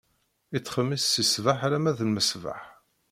Ittxemmis si ṣṣbeḥ alamma d lmesbeḥ.